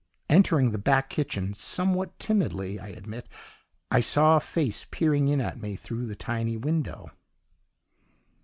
Entering the back kitchen, somewhat timidly I admit, I saw a face peering in at me through the tiny window.